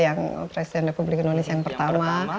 yang presiden republik indonesia yang pertama